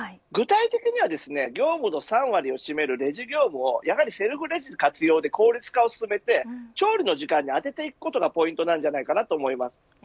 具体的には業務の３割を占めるレジ業務をやはりセルフレジ活用で効率化を進めて調理の時間に充てていくことがポイントだと思います。